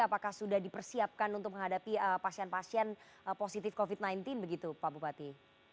apakah sudah dipersiapkan untuk menghadapi pasien pasien positif covid sembilan belas begitu pak bupati